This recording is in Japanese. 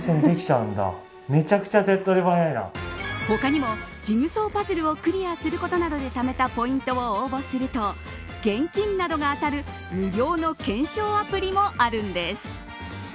他にもジグゾーパズルをクリアすることなどでためたポイントを応募すると現金などが当たる無料の懸賞アプリもあるんです。